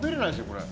これ。